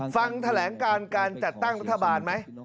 ฟังแถลงการการจัดตั้งรัฐบาลไหม